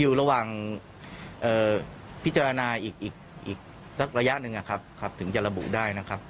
อยู่ระหว่างพิจารณาอีกสักระยะหนึ่งถึงจะระบุได้นะครับ